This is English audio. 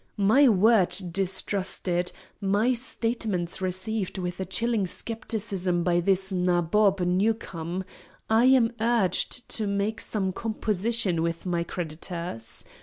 My word distrusted, my statements received with a chilling scepticism by this Nabob Newcome, I am urged to make some "composition" with my creditors.